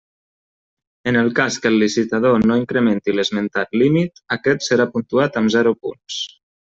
En el cas que el licitador no incrementi l'esmenat límit, aquest serà puntuat amb zero punts.